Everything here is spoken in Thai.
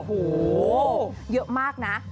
โอ้โหเยอะมากนะ